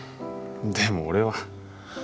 でも俺は